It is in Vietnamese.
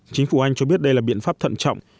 chính phủ anh cho biết đây là biện pháp thận trọng